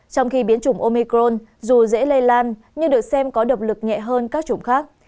trong khi biến chủng omicron dù dễ lây lan nhưng được xem có độc lực nhẹ hơn các chủng khác